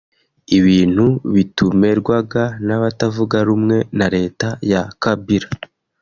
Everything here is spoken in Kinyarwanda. ibintu bitumerwaga n’abatavuga rumwe na Leta ya Kabila